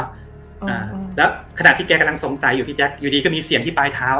อ่าแล้วขณะที่แกกำลังสงสัยอยู่พี่แจ๊คอยู่ดีก็มีเสียงที่ปลายเท้า